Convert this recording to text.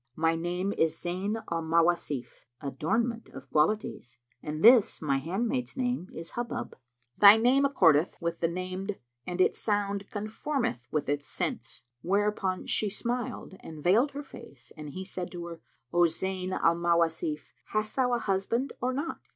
"My name is Zayn al Mawasif,—Adomment of Qualities—and this my handmaid's name is Hubub." "Thy name accordeth with the named and its sound conformeth with its sense." Whereupon she smiled and veiled her face, and he said to her, "O Zayn al Mawasif, hast thou a husband or not?"